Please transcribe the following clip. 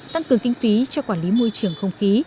tăng cường kinh phí cho quản lý môi trường không khí